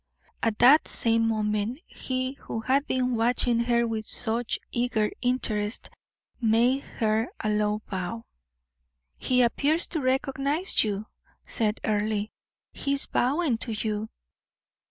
At that same moment he who had been watching her with such eager interest made her a low bow. "He appears to recognize you," said Earle; "he is bowing to you."